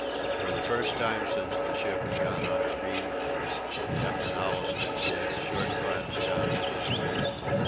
For the first time since the ship had gone on her beam ends Captain Allistoun gave a short glance down at his men.